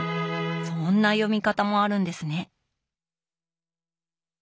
そんな読み方もあるんですね。